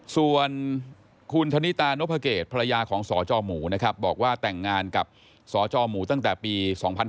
ส่วนคุณธนิตานพเกตภรรยาของสจหมูนะครับบอกว่าแต่งงานกับสจหมูตั้งแต่ปี๒๕๕๙